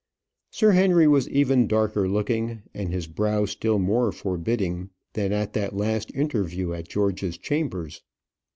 Sir Henry was even darker looking, and his brow still more forbidding than at that last interview at George's chambers.